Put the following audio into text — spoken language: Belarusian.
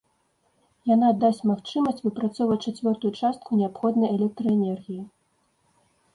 Яна дасць магчымасць выпрацоўваць чацвёртую частку неабходнай электраэнергіі.